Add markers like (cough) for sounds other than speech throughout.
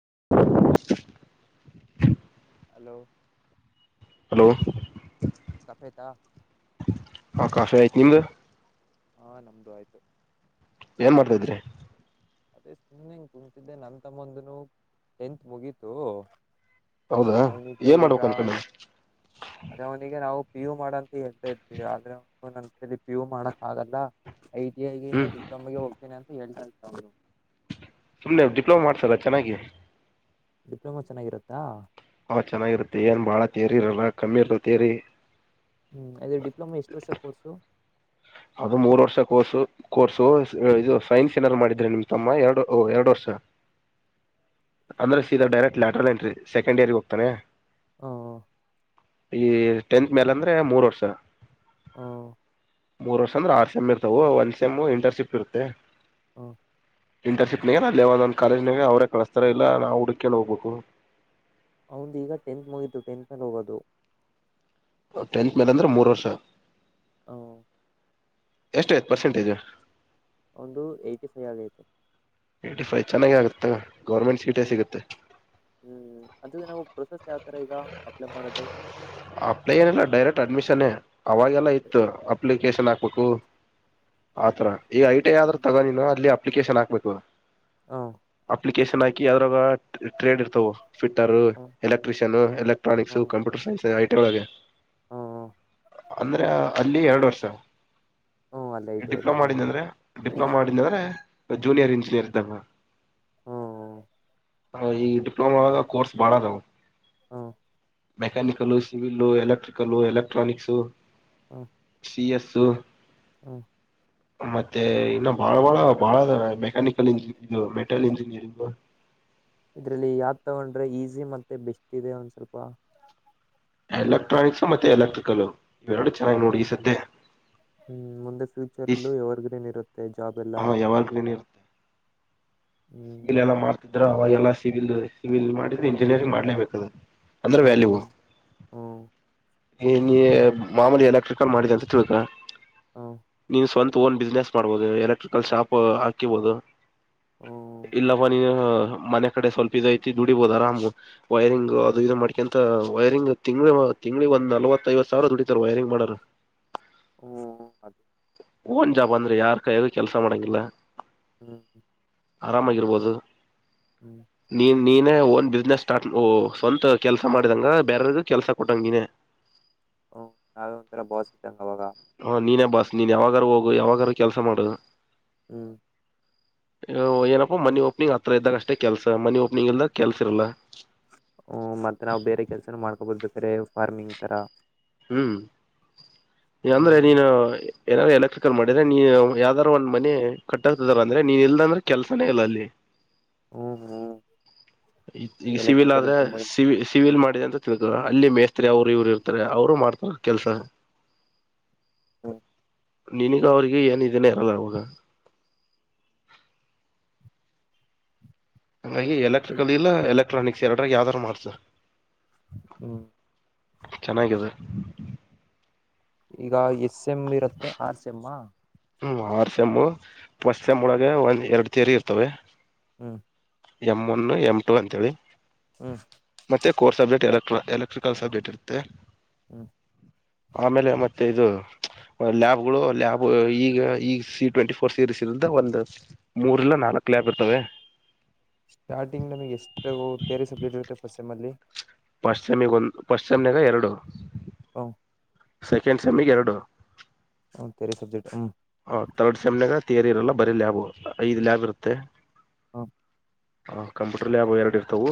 (inaudible) Hello. Hello. Coffee ಆಯ್ತಾ. ಹಾ coffee ಆಯ್ತು ನಿಮ್ದು. ಹಾ ನಮ್ದು ಆಯ್ತು. ಏನ್ ಮಾಡ್ತಾಿದ್ರಿ. ಅದೇ ಸ್ನ್ನಿಂಗ್ ಕುಂತಿದ್ದೆ ನನ್ ತಮ್ಮಂದನು ಟೆಂತ್ ಮುಗೀತು. ಹೌದಾ ಅವನಿಗೆ ಏನ್ ಈಗ ಮಾಡ್ಬೇಕ ಅನ್ಕೊಂಡಿ ಅದೇ ಅವನಿಗೆ ನಾವು. ಪಿಯ ಯು ಮಾಡ ಅಂತ ಹೇಳ್ತಾ ಇದ್ವಿ ಆದ್ರೆ ನನ್ ಕೈಯಲ್ಲಿ ಪಿ ಯು ಮಾಡಕ್ ಆಗಲ್ಲ. ಐಟ ಗೆ ಇಲ್ಲ ಹ್ಮ್ ಡಿಪ್ಲೊಮಾಗೆ ಹೋಗ್ತೇನೆ ಅಂತ ಹೇತ ಇರ್ತ ಅವರು. ಸುಮ್ನೆ ಡಿಪ್ಲೋಮಾ ಮಾಡ್ತಾರ ಚೆನ್ನಾಗಿ. ಡಿಪ್ಲೊಮಾ ಚೆನ್ನಾಗಿರತ್ತಾ. ಹ ಚೆನ್ನಾಗಿರುತ್ತೆ ಏನ್ ಬಾಳ ತೇರಿ ಇರಲ್ಲ ಕಮ್ಮಿ ಇರ್ತ ತೇರಿ. ಹ್ಮ್ ಅದು ಡಿಪ್ಲೊಮಾ ಎಷ್ಟ್ರ ವರ್ಷ ಕೋರ್ಸು. ಅದು ಮೂರ್ ವರ್ಷ ಕೋರ್ಸು ಕೋರ್ಸು ಇದು ಸೈನ್ಸ್ ಏನಾದಾರು ಮಾಡಿದ್ರಿ ನಿಮ್ ತಮ್ಮ ಎರಡು ಎರಡು ವರ್ಷ. ಅಂದ್ರೆ ಸೀದಾ ಡೈರೆಕ್ಟ್ ಾಟರ್ ಎಂಟ್ರಿ ಸೆಕೆಂಡ್ ಇಯರ್ಗೆ ಹೋಗ್ತಾನೆ. ಹಾ. ಈ ಟೆಂತ್ ಮೇಲ್ ಅಂದ್ರೆ ಮೂರ್ ವರ್ಷ. ಹ. ಮೂರ್ ವರ್ಷ ಅಂದ್ರೆ ಆರ್ ಸೆಮ್ ಇರ್ತಾವ ಒಂದ್ ಸೆಮ ಇಂಟರ್ನ್ಶಿಪ್ ಇರುತ್ತೆ. ಹ್ಮ. ಇಂಟರ್ನ್ಶಿಪ್ನಾಗ ಅಲ್ಲಿೇ ಒಂದೊಂದು ಕಾಲೇಜ್ನಾಗ ಅವರೇ ಕಳಸ್ತಾರ ಇಲ್ಲ ನಾವು ಹುಡುಕೊಂಡ ಹೋಗ್ಬೇಕು. ಅವಂದ ಈಗ ಟೆಂತ್ ಮುಗಿತು ಟೆಂತ್ ಮಲ್ಲಿ ಹೋಗೋದು. ಟೆಂತ್ ಮೇಲೆ ಅಂದ್ರೆ ಮೂರು ವರ್ಷ. ಹ. ಎಷ್ಟು ಆಯ್ತು ಪರ್ಸೆಂಟೇಜ್. ಒಂದು ಏಟಿಫೖ ಆಗೈತೆ. ಏ್ಟಿ ಫೈವ ಚೆನ್ನಾಗ ಆಗುತ್ತ ಗೌರ್ಮೆಂಟ್ ಸೀಟೇ ಹ್ಮ್ ಸಿಗುತ್ತೆ. ಹ್ಮ್ ಅದ ನಾವು ಪ್ರೊಸೆಸ್ ಯಾವ ತರ ಈಗ ಅಪ್ಲೈ ಮಾಡೋದು ಅಪ್ಲೈ ಏನಲ್ಲ ಡೈರೆಕ್ಟ್ ಅಡ್ಮಿಷನ್. ಅವಾಗೆಲ್ಲ ಇತ್ತು ಅಪ್ಲಿಕೇಶನ್ ಹಾಕ್ಬೇಕು ಆತರ ಈ ಐ ಟಿ ಆದ್ರರು ತಗೋ ನೀನು ಅಲ್ಲಿ ಅಪ್ಲಿಕೇಶನ್ ಹಾಕ್ಬೇಕು ಹ ಅಪ್ಲಿಕೇಶನ್ ಹಾಕಿ ಅದ್ರ ಟ್ರೆ ಟ್ರೇಡ್ ಇರ್ತವೆ ಫಿಟ್ಟರ್ ಹ ಎಲೆಕ್ಟ್ರ ಎಲ ಎಲೆಕ್ಟ್ರಾನಿಕ್ಸ್ ಹ್ಮ ಕಂಪ್ಯೂಟರ್ ಸೈನ್ಸ್ ಐಟ ಒಳಗೆ ಹ್ಮ್ ಅಂದ್ರೆ ಅಲ್ಲಿ ಎರಡು ವರ್ಷ ಹ್ಮ್ ಅಲ್ಲೇ ಐಟಿ ಅಲ್ಲಿ ಡಿಪ್ಲೊಮಾ ಹ್ಮ್ ಮಾಡಿದ್ದದ್ರೆ ಡಿಪ್ಲೊಮಾ ಮಾಡಿದ್ದದ್ರೆ ಜೂನಿಯರ್ ಇಂಜಿನಿಯರ್ ತಗೊ ಹ್ಮ್ ಹ ಈ ಡಿಪ್ಲೊಮ ಗ ಕೋರ್ಸ್ ಬಾಳ್ ಅದವು ಹಾ. Mechanical civil electrical electronics. ಹಾ ಸಿ ಎಸ್ಸು ಹ ಮತ್ತೆ ಇನ್ನು ಬಾಳ ಬಾಳ ಬಾಳ ಮೆಕ್ಯಾನಿಕಲ್ ಇಂಜಿನಿಯರಿಂಗ ಮೆಟಲ್ ಇಂಜಿನಿಯರಿಂಗ್ ಹ (inaudible) ಇದ್ರಲ್ಲಿ ಯಾವ್ ತಗೊಂಡ್ರೆ ಈಸಿ ಮತ್ತೆ ಬೆಸ್ಟ್ ಇದೆ ಒಂದ್ ಸ್ವಲ್ಪ ಎಲೆಕ್ಟ್ರಾನಿಕ್ಸ್ ಮತ್ತೆ ಎಲೆಕ್ಟ್ರಿಕಲ್ ಇವೆರಡು ಚೆನ್ನಾಗಿ ನೋಡು ಇಸತ್ತೆ ಹ್ಮ್ ಮುಂದೆ ಫ್ಯೂಚರ್ಲ್ಲೂ ಯವರ್ಗ್ರೇನ್ ಇರುತ್ತೆ ಜಾಬ್ ಎಲ್ಲ ಹ ಯಾವಾಗ್ಲೂನು (inaudible) ಸಿವಿಲ್ ಎಲ್ಲ ಮಾಡ್ತಿದ್ರ ಅವಾಗೆಲ್ಲಾ ಸಿವಿಲ್ ಸಿವಿಲ್ ಮಾಡಿದ್ರೆ ಇಂಜಿನಿಯರಿಂಗ್ ಮಾಡ್ಲೇಬೇಕದು ಅಂದ್ರೆ ವ್ಯಾಲ್ಯೂ ಹ್ಮ್ ಹ್ಮ್ ನೀ ನೀ ಮಾಮೂಲಿ ಎಲಕ್ರಿಕಲ್ ಮಾಡಿದೆ ಅಂತ ತಿಳ್ಕ ಹ್ಮ್ ನೀನ್ ಸ್ವಂತ ಹೊನ್ ಬಿಸ್ನೆಸ್ ಮಾಡ್ಬಹುದು ಎಲೆಕ್ಟ್ರಿಕಲ್ ಶಾಪ್ ಹಾಕಿಬಹುದು ಹ್ಮ್ ಇಲ್ಲಪ ನಿ ಅ ಮನೆ ಕಡೆ ಸ್ವಲ್ಪ ಇದ್ ಐತಿ ದುಡಿಬಹುದು ಆರಾಮ್ ವೈರಿಂಗ್ ಅದು ಇ ಮಾಡ್ಕೊಂತ ವೈರಿಂಗ್ ತಿ ದುಡಿ ಬಹುದು ತಿಂಗಳಿಗೆ ಒಂದ್ ನಲ್ವತ್ತೈಐವತ್ತು ಸಾವಿರ ದುಡಿತಾರ ವೈರಿಂಗ್ ಮಾಡರು ಹ್ಮ ಅದ್ ಓನ್ ಜಾಬ್ ಅಂದ್ರೆ ಯಾರ್ ಕಾಯಾಗ ಕೆಲ್ಸ ಮಾಡಂಗಿಲ್ಲ ಹ್ಮ ಆರಾಮಾಗಿರ್ಬೋದು ಹ್ಮ್ ನೀನ್ ನೀನೇ ಓನ್ ಬಿಸ್ನೆಸ್ ಸ್ಟಾರ್ಟ್ ಸ್ವಂತ ಕೆಲ್ಸ ಮಾಡಿದಂಗ ಬೇರವಗು ಕೆಲ್ಸ ಕೊಟ್ಟಂಗ್ ನೀನೆೇ (inaudible) ಹಓ ನಾವೇ ಒಂಥರ ಬೋಸಿದ್ದ ಹ ನೀನೇ ಬಾಸ್ ನೀನ್ ಯಾವಾಗಾರೂ ಹೋಗು ಯಾವಾಗಾರೂ ಕೆಲಸ ಮಾಡು ಹ್ಮ್ ಏನಪ್ಪಾ ಮನಿ ಓಪನಿಂಗ್ ಹತ್ರ ಇದ್ದಾಗ ಅಷ್ಟೇ ಕೆಲ್ಸ ಮನಿ ಓಪನಿಂಗ್ ಇಲ್ದಾಗ ಕೆಲ್ಸ ಇರಲ್ಲ ಹ ಮತ್ತೆ ನಾವ್ ಬೇರೆ ಕೆಲ್ಸನ ಮಾಡ್ಕೊಬೋದು ಬೇಕಾರೆ ಫಾರ್ಮಿಂಗ್ ತರ ಹ್ಮ್ ಅಂದ್ರೆ ಹ್ಮ್ ನೀನು ಏನಾದ್ರು ಎಲೆಕ್ಟ್ರಿಕಲ್ ಮಾಡಿದ್ರೆ ನೀನ್ ಯಾವ್ದಾದಾದ್ರು ಒಂದ್ ಮನೆ ಕಟ್ಟಕ್ತಿದಾರ ಅಂದ್ರೆ ನೀನ್ ಇಲ್ದ ಅಂದ್ರೆ ಕೆಲ್ಸಾನೇ ಇಲ್ಲ ಅಲ್ಲಿ ಹ್ಮ್ ಹ್ಮ್ ಇ ಈಗ ಸಿವಿಲ್ ಎಲೆಕ್ಟ್ರಿಕಲ್ ಆದ್ರೆ ತುಂಬಾ ಸಿವಿ ಸಿವಿಲ್ ಮಾಡ್ ಅಂತ ತಿಳ್ಕ ಅಲ್ಲಿ ಮೇಸ್ತ್ರಿ ಅವರು ಇವ್ರು ಇರ್ತಾರೆ ಅವರು ಮಾಡ್ತಾರ ಕೆಲ್ಸ ಹ್ಮ ನಿನಗ ಅವ್ರಿಗೆ ಏನ್ ಇದೇನೆ ಇರಲ್ಲ ಅವಾಗ ಹಂಗಾಗಿ ಎಲೆಕ್ಟ್ರಿಕಲ್ ಇಲ್ಲ ಎಲೆಕ್ಟ್ರಾನಿಕ್ಸ್ ಎರಡರಾಗ ಯಾವ್ದಾರು ಮಾಡ್ಸು ಹ್ಮ್ ಚೆನ್ನಗಿದೆ ಈಗ ಎಸ್ ಎಮ್ ಇರತ್ತೆ ಆರ್ಸ್ ಎಮ್ ಮ ಹ್ಮ ಆರ್ ಸೇಮ್ಮು ಫಸ್ಟ್ಸೇಮ್ ಒಳಗೆ ಒಂದ್ ಎರಡು ತೆರಿ ಇರ್ತವೆ ಹ್ ಎಂ್ ಒನ್ ಎಂ ಟು ಅಂತೇಳಿ ಹ ಕೋರ್ ಸಬ್ಜೆಕ್ಟ್ ಎಲೆಕ್ಟ್ರಿಕಲ್ ಸಬ್ಜೆಕ್ಟ್ ಇತ್ತೆ ಹ್ ಆಮೇಲೆ ಮತ್ತೆ ಇದು ಲ್ಯಾಬ್ಗಳು ಲ್ಯಾಬ್ ಈಗ ಈಗ ಸಿ ಟ್ವೆಂಟಿ ಫೋರ್ ಸೀರೀಸ್ ಇ ಒಂದು್ ಮೂರ್ಲ್ಲ ನಾಕು ಕಲಯಪ್ ಇರ್ತವೆ ಸ್ಟಾರ್ಟಿಂಗ್ ನಮಗೆ ಎಷ್ಟು ತೆರೆ ಸಬ್ಜೆಕ್ಟ್ ಇರುತ್ತೆ ಫಸ್ಟ್ ಎಮ್ ಅಲ್ಲಿ ಪಶ್ಚಿಮಿಗ ಒಂದು ಪಶ್ಚಿಮನಾಗ ಎರಡು ಹ ಸೆಕೆಂಡ್ ಸೆಮ್ಮಿಗೆ ಎರಡು ಹ ತರೆ ಸಬ್ಜೆಕ್ಟ್ ಹೂ ಹ ತರ್ಡ್ ಸೆಮ್ನಾಗ ತೇಯರಿ ಇರಲ್ಲ ಬರೀ ಲ್ಯಾಬ್ ಐದು ಲ್ಯಾಬ್ ಇರುತ್ತೆ ಹ ಹ ಕಂಪ್ಯೂಟರ್ ಲ್ಯಾಬ್ ಎರಡು ಇರ್ತವು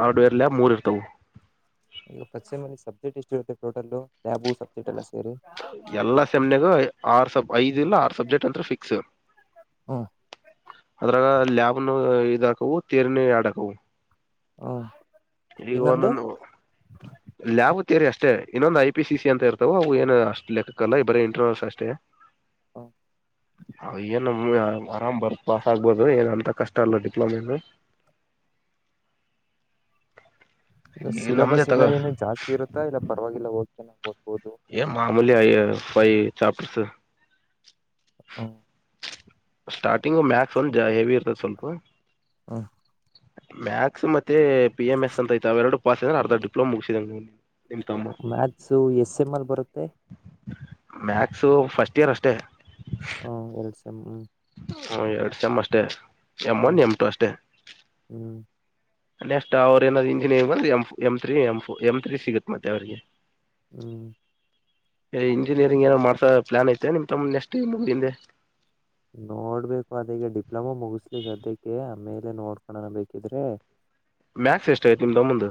ಹಾರ್ಡ್ವೇರ್ ಲ್ಯಾಬ್ ಮೂರ್ ಇರ್ತವು ಈಗ ಪಚೆ ಮಲ್ಲಿ ಸಬ್ಜೆಕ್ಟ್ ಎಷ್ಟ ಇರುತ್ತೆ ಟೋಟಲ್ ಲ್ಯಾು ಸಬ್ಜೆಕ್ಟ್ ಎಲ್ಲಷ್ಟ ಎಲ್ಲಾ ಸೆಮ್ನೆಗ ಆರು ಸಬ್ ಐದ ಇಲ್ಲ ಆರ್ ಸಬ್ಜೆಕ್ಟ್ ಅಂತ ಫಿಕ್ಸ್ ಹಾ ಅದ್ರಾಗ ಲ್ಯಾಬ್ನು ಇದಾಕವು ಥಿಯರಿ ಯಾಡ್ ಆಗ್ತವು ಹಾ ಈಲ್ಲಿಗ ಒಂದೊಂದು ಲಯಾಭ ೇರಿ ಅಷ್ಟೇ ಇನ್ನೊಂದ್ ಐ ಪಿ ಸಿ ಸಿ ಅಂತ ಇರ್ತಾವ ಅವು ಏನು ಅಷ್ಟ ಲೆಕ್ಕಲ್ಲ ಇ ಬರೇ ಇಂಟರ್ನಲ್ಸ್ ಅಷ್ಟೇ ಹ ಆರಾಮ್ ಬರ್ ಪಾಸ್ ಆಗ್ಬೋದು ಏನ ಅಂತ ಕಷ್ಟ ಅಲ್ಲ ಡಿಪ್ಲೊಮ ಹ ಇ ಸಿಲೆಬಸ್ ಎಲ್ಲ ಏನ ಜಾಸ್ತಿ ಇರುತ್ತಾ ಇಲ್ಲ ಪರವಾಗಿಲ್ಲ ಹೋಗ್ ಹೋಗ್ಬೋ ಏ ಮಾಮೂಲಿ ಆಯ ಫೈ ಚಾಪ್ಟರ್ ಹಾ ಸ್ಟಾರ್ಟಿಂಗ್ ಮ್ಯಾಕ್ಸ್ ಒಂದ್ ಹೆವಿ ಇರ್ತದೆ ಸ್ವಲ್ಪ ಹಾ ಮ್ಯಾಥಸ್ ಮತ್ತೆ ಪಿ ಎಂ ಎಸ್ ಅಂತ ಐ್ತ ಅವ ಎರಡು ಪಾಸ್ ಐ ಅರ್ಧ ಡಿಪ್ಲೋಮಾ ಮುಗಿಸಿದ ಮ್ಯಾಥ್ಸು ಎಸ್ ಎಂ್ ಎಲ್ ಬರುತ್ತೆ ಮ್ಯಾಕ್ಸು ಫಸ್ಟ್ ಇಯರ್ ಅಷ್ಟೇ ಹೂ ಎಲ್ಸ ಹೂ ಹ ಎರಡು ಸಮ್ ಅಷ್ಟೇ ಎಮ್ ಒನ್ ಹ್ಮ್ ಎಮ್ ಟು ಅಷ್ಟೇ ಹ್ಮ್ ನೆಕ್ಸ್ಟ್ ಅವ್ರ ಏನಾದ್ ಇಂಜಿನಿಯಂಗ M M three M M three ಸಿಗುತ್ತತ್ ಮತ್ತೆ ಅವ್ರಿಗೆ ಹ ಏ ಇಂಜಿನಿಯರಿಂಗ್ ಏನೋ ಮಾಡ್ಸಾ ಪ್ಲಾನ್ ಐತೆ ನಿಮ್ ತಮ್ಮ ನೆಕ್ಸ್ಟ್ ಮುಗ್ಡಿಂದೆ ನೋಡ್ಬೇಕು ಅದಗ ಡಿಪ್ಲೊಮಾ ಮುಗಿಸ್ಲಿ ಸದ್ಯಕ್ಕೆ ಆಮೇಲೆ ನೋಡ್ಕೋಳಣ ಬೇಕಿದ್ರೆ ಮ್ಯಾಕ್ಸ್ ಎಷ್ಟ ಆಐತಿ ನಿಮ್ ತಮ್ಮಂದ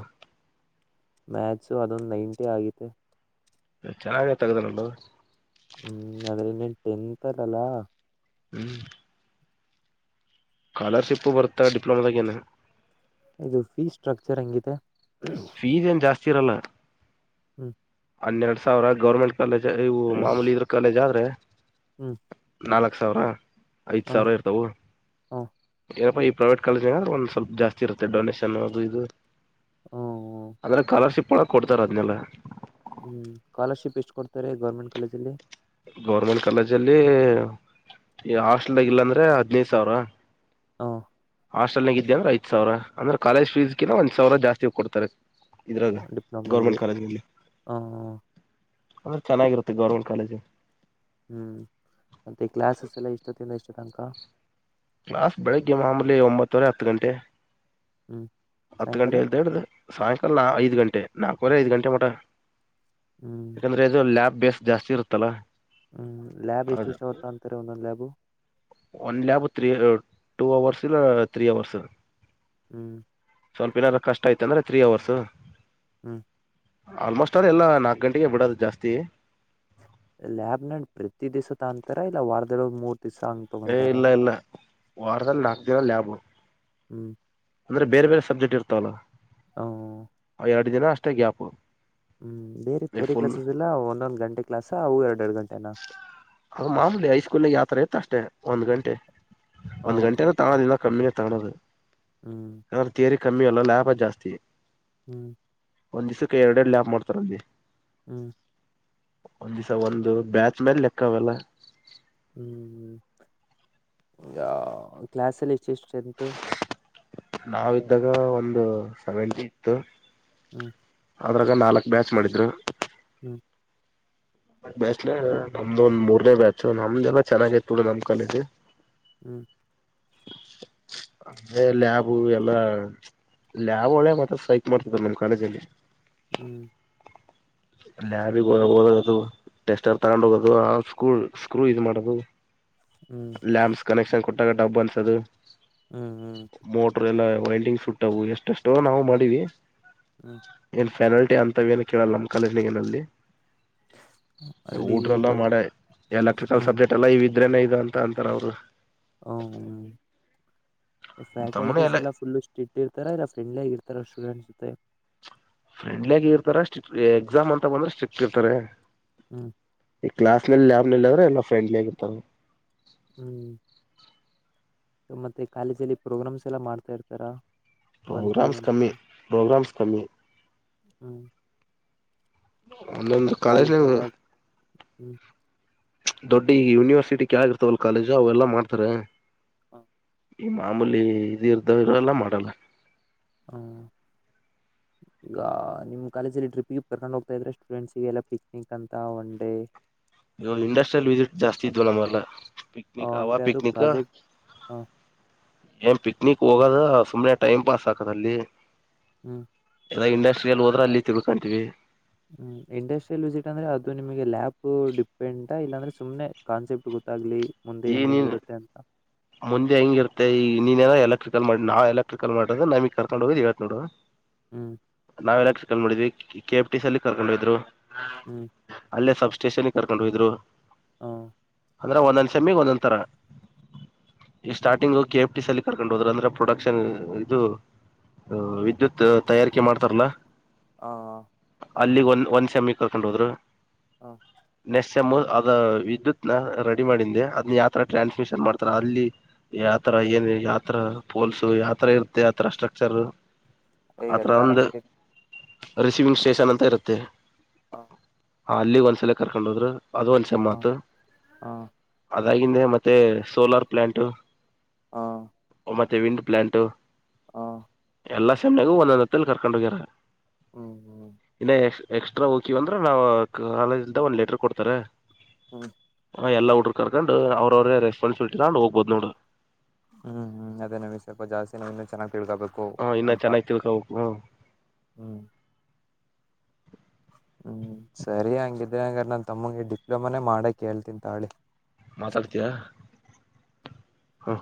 ಮ್ಯಾಕ್ಸ್ ಅದೊಂದು ನೈಂಟಿ ಆಗಿತ್ತು ಚೆನ್ನಾಗೆ ತಗ್ದನಲೋ ಹೂ ಅದ್ರೆ ಇನ್ನೇನ್ ಟೆಂತ್ ಅರಲ್ಲ ಹೂ ಸ್ಕಾಲರ್ಶಿಪ್ಪು ಬರ್ತಾ ಡಿಪ್ಲೊಮದಾಗ ಏನು ಇದು ಫೀ ಸ್ಟ್ರಕ್ಚರ್ ಹೆಂಗಿದೆ ಹಚಿರಲ್ಲ ಹು ಹನ್ನೆರಡು ಸಾವಿರ ಗೌರ್ಮೆಂಟ್ ಕಾಲೇಜ್ ಇವು ಮಾಮೂಲಿ ಇದ್ರ ಕಾಲೇಜ್ ಆದ್ರೆ ಹು ನಾಲ್ಕು ಸಾವಿರ ಐದು ಸಾವಿರ ಇರ್ತವು ಹ ಏಪ್ಪ ಇ ಪ್ರೈವೇಟ್ ಕಾಲೇಜ್ ಒಂದು ಸ್ವಲ್ಪ ಜಾಸ್ತಿ ಇರುತ್ತೆ ಡೊನೇಷನ್ ಅದು ಇದು ಹ ಅಂದ್ರೆ ಸ್ಕಾಲರ್ ಶಿಪ್ ಹೋಳಿ ಕೊಡ್ತಾರ ಅದ್ನೆಲ್ಲ ಹೂ ಸ್ಕಾಲರ್ಶಿಪ್ ಎಷ್ಟು ಕೊಡ್ತಾರೆ ಗವರ್ಮೆಂಟ್ ಕಾಲೇಜ ಅಲ್ಲಿ ಗೌರ್ಮೆಂಟ್ ಕಾಲೇಜಲ್ಲಿ ಈ ಹಾಸ್ಟೆಲ್ ಆಗ ಇಲ್ಲಾಂದ್ರೆ ಹದ್ನೈದು ಸಾವಿರ ಹ ಹಾಸ್ಟೆಲ್ ನಾಗ್ ಇದ್ದಿ ಅಂದ್ರ ಐದ ಸಾವಿರ ಅಂದರ್ ಕಾಲೇಜ ಫೀಸ್ ಗಿಣ್ಣ ಒಂದ ಸಾವರ ಜಾಸ್ತಿ ಕೊಡ್ತಾರೆ ಇದ್ರದು ಡಿಪ್ಲೊಮಲ್ಲಿ ಗೌರ್ಮೆಂಟ್ ಕಾಲೇಜಲ್ಲಿ ಹ ಅಂದ್ರೆ ಚೆನ್ನಾಗಿರುತ್ತೆ ಗೌರ್ಮೆಂಟ್ ಕಾಲೇಜು ಹು ಮತ್ತೆ ಕ್ಲಾಸಸ್ ಎಲ್ಲ ಎಷ್ಟದಿಂದ ಏಷ್ಟರ ತನಕ ಕ್ಲಾಸ್ ಬೆಳಿಗ್ಗೆ ಮಾಮೂಲಿ ಒಂಬತ್ತುವರೆ ಹತ್ತು ಗಂಟೆ ಹ್ಮ್ ಹತ್ತು ಸಾಯಂಕಾಲ ಗಂಟೆ ಇಂದ ಹಿಡದ ಸಾಯಂಕಾಲ ನಾ ಐದು ಗಂಟೆ ನಾಲ್ಕವರೆ ಐದು ಗಂಟೆ ಮಟ ಹ್ಮ್ ಯಾಕಂದ್ರೆ ಇದು ಲ್ಯಾಬ್ ಬೇಸ್ ಜಾಸ್ತಿ ಇರುತ್ತಲ್ಲಾ ಹು ಲ್ಯಾಬ್ ಎಷ್ಟು ಎಷ್ಟು ಆತ ಅಂತಾರೆ ಒಂದೊಂದ್ lab one lab three two hours ಇಲ್ಲ ತ್ರ್ರೀ ಅವರ್ಸ್ ಹು ಸ್ವಲ್ಪ ಏನಾರ ಕಷ್ಟ ಐತಿ ಅಂದ್ರೆ ತ್ರೀ ಅವರ್ಸ್ ಹು ಆಲ್ಮೋಸ್ಟ್ ಆಲ್ ಎಲ್ಲಾ ನಾಕ್ ಗಂಟೆಗೆ ಬಿಡದು ಜಾಸ್ತಿ ಲ್ಯಾಬ್ ನ ಪ್ರತಿ ದಿವಸ ತ ಅಂತಾರ ಇಲ್ಲ ವಾರದೆ ಮೂರ್ ದಿವ್ಸ ಹಂಗ್ ಏ ತಗೊಂತಾರ ಇಲ್ಲ ಇಲ್ಲ ವಾರದಲ್ಲಿ ನಾಲ್ಕು ದಿನ ಲ್ಯಾಬ್ ಹು ಅಂದ್ರೆ ಬೇರೆ ಬೇರೆ ಸಬ್ಜೆಕ್ಟ್ ಇರ್ತಾವಲ್ಲ ಹ ಅವ ಎರಡು ದಿನ ಅಷ್ಟೇ ಗ್ಯಾಪ್ ಹು ಬೇರೆ ತೇರೆ ಕ್ಲಾಸಸ್ ಎಲ್ಲ ಒಂದೊಂದ್ ಗಂಟೆ ಕ್ಲಾಸ್ ಅವು ಎರಡೆ ಎರಡು ಗಂಟೆ ಹ ಮಾಮೂಲಿ ಹೈಸ್ಕೂಲ್ ಯಾವ ತರ ಇತ್ತು ಅಷ್ಟೆ ಒಂದ್ ಗಂಟೆ ಒಂದ್ ಹ್ಮ್ ಗಂಟೆನ ತೊಗೊಳೋದು ಇಲ್ಲ ಕಮ್ಮಿಯ ತಗಲೋದು ಹ್ಮ್ ಅದು ಥೇರಿ ಕಮ್ಮಿ ಅಲ್ಲ ಲಾಭ ಜಾಸ್ತಿ ಹು ಒಂದ್ ದಿವ್ಸಕ್ಕೆ ಎರಡ ಎಡು ಲ್ಯಾಬ್ ಮಾಡ್ತಾರ ಅಲ್ಲಿ ಹು ಒಂದ್ ದಿವ್ಸ ಒಂದು ಬ್ಯಾಚ್ ಮೇಲೆ ಲೆಕ್ಕಾವೆಲ್ಲ ಹು ಹು ಈಗ ಕ್ಲಾಸ್ಲ್ಲಿ ಎಷ್ಟುಷ್ಟು ಸ್ಟ್ರೆಂತೂ ನಾವ್ ಇದಾಗ ಒಂದು ಸೆವೆಂಟಿ ಇತ್ತು ಹ್ಮ್ ಅದ್ರಾಗ ನಾಲ್ಕು ಬ್ಯಾಚ್ ಮಾಡಿದ್ರು ಹು ಬ್ಯಾಚ್ ನಮ್ದು ಒಂದ್ ಮೂರ್ನೇ ಬ್ಯಾಚ್ ನಮ್ದಲ್ಲಾ ಚೆನ್ನಾಗಿತ್ತು ಬಿಡ ನಮ್ ಕಾಲೇಜ ಹು ಅಲ್ಲೆ ಲ್ಯಾಬು ಎಲ್ಲಾ ಲ್ಯಾಬ್ ಒಳೆ ಮಾ ಸೈಕ್ ಮಾಡ್ತಿದ್ರು ನಮ್ ಕಾಲೇಜಲ್ಲಿ ಹು ಲ್ಯಾಬ್ ಗೆ ಓದದು ಟೆಸ್ಟರ್ ತಗೊಂಡ್ ಹೋಗೋದು ಆ ಸ್ಕ್ರೂ ಸ್ಕ್ರೂ ಇ ಮಾಡೋದು ಹ್ಮ್ ಲ್ಯಾಂಪ್ಸ್ ಕನೆಕ್ಷನ್ ಕೊಟ್ಟಾಗ ಡಬ್ ಅನ್ಸದು ಹ್ಮ್ ಹ್ಮ್ ಮೋಟ್ರ ಎಲ್ಲ ವೈಂಡಿಂಗ್ ಸುಟ್ಟವು ಎಷ್ಟಷ್ಟ ನಾವು ಮಾಡಿವಿ ಹ್ಮ್ ಏನ್ ಫೆನಲ್ಟಿ ಅಂತವ ಏನ್ ಕೇಳಲ್ಲ ಕಾಲೇಜ್ ನಲ್ಲಿ ಅಲ್ಲಿ ಊಟ್ರಲ್ಲ ಈಗ ಮಾಡೆ ಎಲೆಕ್ಟ್ರಿಕಲ್ ಹ್ಮ್ ಸಬ್ಜೆಕ್ಟ್ ಎಲ್ಲ ಇ ಇದ್ರೇನ ಇದು ಅಂತ ಅಂತಾರ ಅವರು ಹ ಫ್ಯಾಕಲ್ಟೀಸ್ ಎಲ್ಲ ಫುಲ್ಲ ಸ್ಟ್ರಿಕ್ ಇರ್ತಾರ ಇಲ್ಲ ಫ್ರೆಂಡ್ಲಿ ಆಗಿ ಇರ್ತಾರ ಸ್ಟೂಡೆಂಟ್ಸ್ ಜೊತೆ ಫ್ರೆಂಡ್ಲಿ ಆಗಿ ಇರ್ತಾರ ಸ್ಟಿ ಎಕ್ಸಾಮ್ ಅಂತ ಬಂದ್ರೆ ಸ್ಟ್ರಿಕ್ ಇರ್ತಾರೆ ಹೂ ಈ ಕ್ಲಾಸ್ ನಲ್ಲಿ ಲ್ಯಬ್ನಲ್ಲಿ ಆದ್ರೆ ಎಲ್ಲ ಫ್ರೆಂಡ್ಲಿ ಆಗಿರ್ತರು ಹೂ ಮತ್ತೆ ಕಾಲೇಜ ಅಲ್ಲಿ ಪ್ರೋಗ್ರಾಮ್ಸ್ ಎಲ್ಲ ಮಾಡ್ತಾ ಇರ್ತಾರ ಮಂತ್ಲಿ ಪ್ರೋಗ್ರಾಮಸ್ ಒನ್ ಕಮ್ಮಿ ಪ್ರೋಗ್ರಾಮಸ್ ಕಮ್ಮ ಹೂ ಒೊಂದು ಕಾಲೇಜ್ ಹ್ಮ್ ದೊಡ್ ಈಗ ಯೂನಿವರ್ಸಿಟಿ ಕೆಳಗ ಇರ್ತವಲ್ ಕಾಲೇಜು ಅವೆಲ್ಲ ಮಾಡ್ತಾರೆ ಹಾ ಈ ಮಾಮೂಲಿ ಇದಿರ್ದ ಇರಲ್ಲ ಮಾಡಲ್ಲ ಹೂ ಹ ಈಗ ನಿಮ್ ಕಾಲೇಜ ಟ್ರಿಪ್ಿಗೆ ಕರ್ಕೊಂಡು ಹೋಗ್ತಾ ಇದ್ರೆ ಸ್ಟೂಡೆಂಟ್ಸ್ಗೆಲ್ಲ ಪಿಕ್ನಿಕ್ ಅಂತ ಒನ್ ಡೇ ಇ ಇಂಡಸ್ಟ್ರಿಯಲ್ ವಿಸಿಟ್ ಜಾಸ್ತಿ ಇದ್ವ ನಮ್ಲ್ಲ ಪಕ್ನಿಕ ಆವಾ ಅಂದ್ರೆ ಅದು ಪಕ್ನಿಕ ಪ್ರಾಜೆಕ್ಟ್ ಹ ಎ ಪ ನಕ್ ಹೋಗದ ಸುಮ್ನೆ ಟೈಮ್ ಪಾಸ್ ಹಾಕದಲ್ಲಿ ಹೂ ಎಲ್ಲ ಇಂಡಸ್ಟ್ರಿಯಲ್ಲಿ ಹೋದ್ರೆ ಅಲ್ಲಿ ತಿಳ್ಕೊಂತೀವಿ ಹೂ ಇಂಡಸ್ಟ್ರಿಯಲ್ ವಿಸಿಟ್ ಅಂದ್ರೆ ಅದು ನಿಮಗೆ ಲ್ಾಪ್ ಡಿಪೆಂಡ್ಾ ಇಲ್ಲಾಂದ್ರೆ ಸುಮ್ನೆ ಕಾನ್ಸೆಪ್ಟ್ ಗೊತ್ತ ಗೊತ್ತಾಗ್ಲಿ ಮುಂದೆ ಈ ಹೆಂಗ ನೀನ್ ಹೆಂಗಿರುತ್ತೆ ಅಂತ ಮುಂದೆ ಹೆಂಗಿರ್ತ್ತ ಈ ನೀನ್ೇನೋ ಎಲೆಕ್ಟ್ರಿಕಲ್ ಮಾಡಿ ನಾ ಎಲೆಕ್ಟ್ರಿಕಲ್ ಮಾಡ್ರ ನಮಗ್ ಕರ್ಕೊಂಡ್ ಹೋಗದ್ ಹೇಳ್ತ್ ನೋಡು ಹ್ಮ್ ನಾವ್ ಎಲ್ಲ ಎಲೆಕ್ಟ್ರಿಕಲ್ ಮಾಡಿದ್ವಿ ಕೆಫ್ ಟ ಸಲ್ಲಿ ಕರ್ಕೊಂಡು ಹೋಗಿದ್ರು ಹ್ಮ್ ಅಲ್ಲೇ ಸಬ್ ಸ್ಟೇಷನ್ಿಗೆ ಕರ್ಕೊಂಡು ಹೋಗಿದ್ರು ಹೂ ಅಂದ್ರೆ ಒಂದೊಂದ್ ಸೆಮಿಗೆ ಒಂದೊಂದ್ ತರ ಈಗ ಸ್ಟಾರ್ಟಿಂಗ್ ಕೆ ಎಫ ್ಟಿಲ್ಲಿ ಕರ್ಕೊಂಡ್ ಹೋದ್ರ ಅಂದ್ರೆ ಪ್ರೊಡಕ್ಷನ್ ಇದು ಹ ವಿದ್ಯುತ್ ತಯಾರಿಕೆ ಮಾಡ್ತಾರಲ್ಲ ಹ ಅಲ್ಲಿಗ್ ಒಂದ ಒಂದ್ ಸೆಮಿಗೆ ಕರ್ಕೊಂಡು ಹೋದ್ರು ಹಾ ಸೇಮ್ ಅದ ವಿದ್ಯುತ್ ನ ರೆಡಿ ಮಾಡೆ ಅದ್ ಯಾವತರ ಟ್ರಾನ್ಸ್ಮಿಷನ್ ಮಾಡ್ ಆರ ಅಲ್ಲಿ ಯಾವತರ ಏನು ಯಾವತರ ಪೋಲ್ಸ್ ಯಾವತರ ಇರುತ್ತೆ ಆತರ ಸ್ಟ್ರಕ್ಚರ್ ಅಯ ಆತರ ಎಲ್ಲಾ ಒಂದು ನಮ್ಗೆ ರಿಸೀವಿಂಗ್ ಸ್ಟೇಷನ್ ಅಂತ ಇರುತ್ತೆ ಹಾ ಅಲ್ಲಿ ಒಂದ್ಸಲ ಕರ್ಕೊಂಡದ್ರು ಅದು ಒಂದು ಸೇಮ್ ಹ ಆಯ್ತು ಹ ಅದಾಗಿಂದೆ ಮತ್ತೆ ಸೋಲಾರ್ ಪ್ಲಾಂಟ್ು ಹಾ ವಿಂಡ್ ಪ್ಲಾಟ್ ಹ ಎಲ್ಲಾ ಸೇಮ್ನಗೂ ಒಂದೊಂದ ಹತ್ತಲ್ಲಿ ಕರ್ಕೊಂಡು ಹೋಗ್ಯಾರ ಹೂ ಹೂ ಇನ್ನ ಎಕ್ಸ್ಟ್ರಾ ಹೋಗ್ಕಿವವ ಅಂದ್ರ ನಾವು ಕಾಲೇಜಿಂದ ಒಂದ್ ಲೆಟರ್ ಕೊಡ್ತಾರೆ ಹೂ ಎಲ್ಲಾ ಹುಡುಗುರ್ ಕರ್ಕೊಂಡ್ ಅವ್ರ ಅವ್ರ ರೆಸ್ಪಾಸಿಬಲಿಿ ನೊಂಡು ಹೋಗ್ಹೋ್ ನೋಡ್ ಹ್ ಹ ಅದೇ ನಂಗೆ ಸ್ವಲ್ಪ ಜಾಸ್ತಿ ನ ಇ ಚೆನ್ನ ಕೇಳ್ತಬೇಕು ಹ ಇನ್ನ ಅಂತ ಚೆನ್ನಾಗಿ ತಿಳ್ಕೋಬೇಕು ಹೂ ಹೂ ಸರಿ ಹಂಗಿದ್ರ ಹಂಗ ನಾನ್ ತಮ್ಮಂಗಗೆ ಡಿಪ್ಲೊಮಾನೇ ಮಾಡಕ್ ಹೇಳ್ತನ್ ತಾಳಿ ಮಾತಾಡ್ತಯಾ ಹೂ